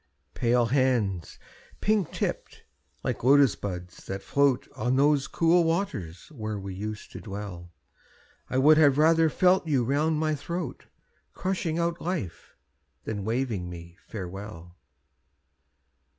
Pale hands, pink tipped, like Lotus buds that float On those cool waters where we used to dwell, I would have rather felt you round my throat, Crushing out life, than waving me farewell!